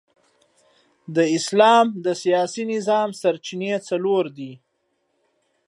د اسلام د سیاسي نظام سرچینې څلور دي.